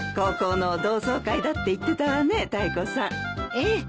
ええ。